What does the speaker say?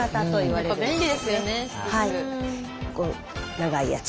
長いやつ。